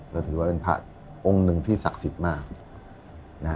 ก็ถือว่าเป็นพระองค์หนึ่งที่ศักดิ์สิทธิ์มากนะฮะ